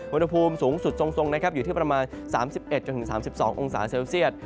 อุณหภูมิสูงสุดทรงนะครับอยู่ที่ประมาณ๓๑๓๒องศาเซลเซียต